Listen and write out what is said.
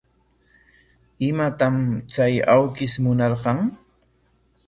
¿Imatam chay awkish munarqan?